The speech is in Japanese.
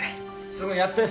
すぐやって。